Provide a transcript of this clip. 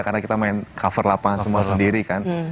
karena kita main cover lapangan semua sendiri kan